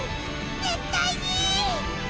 絶対に！